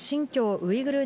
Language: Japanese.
ウイグル